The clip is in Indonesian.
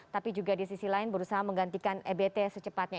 tapi juga di sisi lain berusaha menggantikan ebt secepatnya